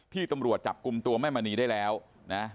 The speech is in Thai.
ตำรวจจับกลุ่มตัวแม่มณีได้แล้วนะ